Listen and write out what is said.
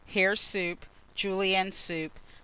Hare Soup. Julienne Soup.